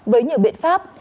với nhiều biện pháp